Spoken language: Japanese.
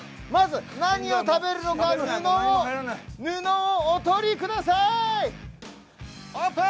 まず、何を食べるのか布をお取りください。